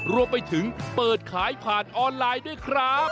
รวมไปถึงเปิดขายผ่านออนไลน์ด้วยครับ